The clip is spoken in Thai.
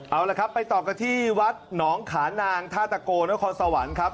เอาละครับไปต่อกันที่วัดหนองขานางท่าตะโกนครสวรรค์ครับ